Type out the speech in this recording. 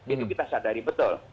itu kita sadari betul